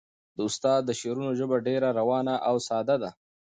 د استاد د شعرونو ژبه ډېره روانه او ساده ده.